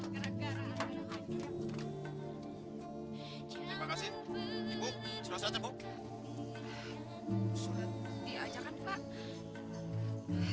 terima kasih ibu sudah saja bu